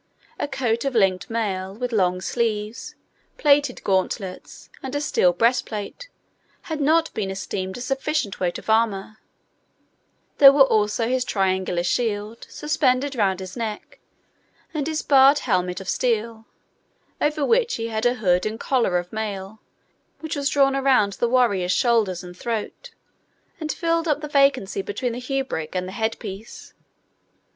A coat of linked mail, with long sleeves, plated gauntlets, and a steel breastplate, had not been esteemed a sufficient weight of armour; there were also his triangular shield suspended round his neck, and his barred helmet of steel, over which he had a hood and collar of mail, which was drawn around the warrior's shoulders and throat, and filled up the vacancy between the hauberk and the headpiece.